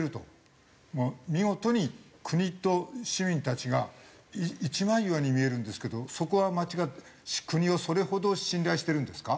見事に国と市民たちが一枚岩に見えるんですけどそこは国をそれほど信頼してるんですか？